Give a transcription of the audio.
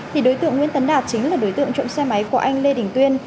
thì đối tượng nguyễn tấn đạt chính là đối tượng trộm xe máy của anh lê đình tuyên